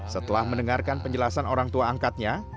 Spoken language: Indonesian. setelah mendengarkan penjelasan orang tua angkatnya